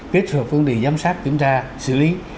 kết hợp với vấn đề giám sát kiểm tra xử lý